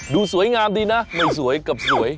ดูสวยงามดีนะไม่สวยกับสวย